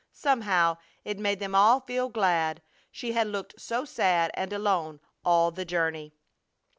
Somehow it made them all feel glad, she had looked so sad and alone all the journey.